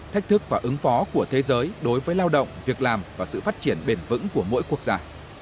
thách thức và ứng phó của thế giới đối với lao động việc làm và sự phát triển bền vững của mỗi quốc gia